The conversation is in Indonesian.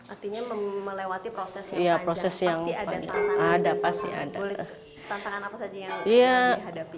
artinya melewati proses yang panjang pasti ada tantangan apa saja yang dihadapi